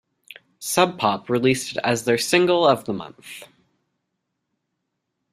Sub Pop released it as their "Single of the Month".